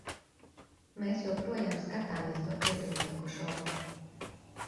Mēs joprojām skatāmies to cietumnieku šovu.